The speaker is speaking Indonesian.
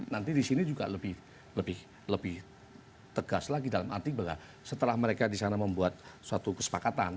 nanti di sini juga lebih tegas lagi dalam arti bahwa setelah mereka di sana membuat suatu kesepakatan